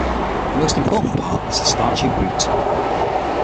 The most important part is the starchy root.